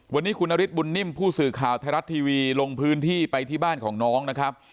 วันนี้คุณนฤทธบุญนิ่มผู้สื่อข่าวไทยรัฐทีวีลงพื้นที่ไปที่บ้านของน้องนะครับ